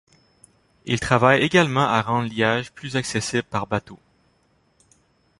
Il travaille également à rendre Liège plus accessible par bateau.